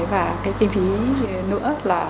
và cái kinh phí nữa là